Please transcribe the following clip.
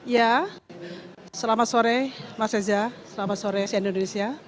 ya selamat sore mas eza selamat sore cnn indonesia